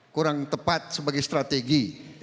kurang tepat sebagai strategi